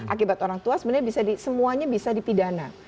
akibat orang tua sebenarnya semuanya bisa dipidana